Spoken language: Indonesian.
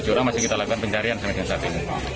tujuh orang masih kita lakukan pencarian sampai dengan saat ini